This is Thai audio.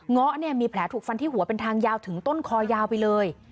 ้อะเนี่ยมีแผลถูกฟันที่หัวเป็นทางยาวถึงต้นคอยาวไปเลย